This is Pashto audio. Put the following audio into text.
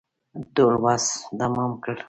ټول وس تمام کړ.